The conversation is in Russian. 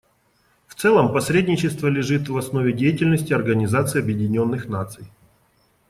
В целом, посредничество лежит в основе деятельности Организации Объединенных Наций.